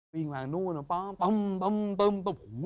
วิ่งมากนู้นป๊อมป๊อมป๊อมป๊อมป๊อม